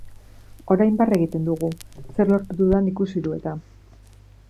Orain barre egiten dugu, zer lortu dudan ikusi du eta.